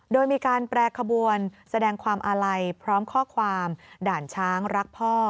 โดยมีการแปรขบวนแสดงความอาลัยพร้อมข้อความด่านช้างรักพ่อ